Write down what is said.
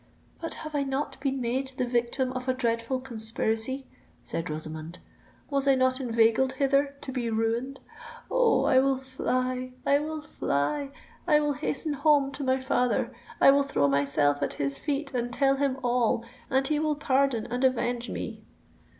"But have I not been made the victim of a dreadful conspiracy?" said Rosamond; "was I not inveigled hither to be ruined? Oh! I will fly—I will fly—I will hasten home to my father—I will throw myself at his feet and tell him all—and he will pardon and avenge me!"